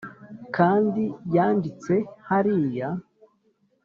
kandi yanditse hariya